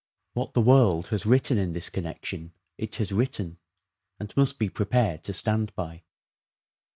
What the world has written in this connection it has written, and must be prepared to stand by.